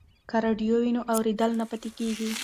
که راډیو وي نو اورېدل نه پاتې کیږي.